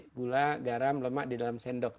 itu ada gula garam lemak di dalam sendok